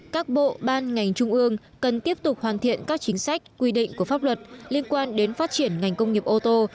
các bộ ban ngành trung ương cần tiếp tục hoàn thiện các chính sách quy định của pháp luật liên quan đến phát triển ngành công nghiệp ô tô